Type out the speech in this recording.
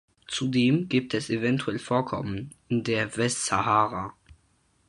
Zudem gibt es eventuell Vorkommen in der Westsahara.